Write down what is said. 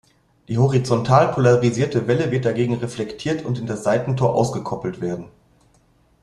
Die horizontal polarisierte Welle wird dagegen reflektiert und in das Seitentor ausgekoppelt werden.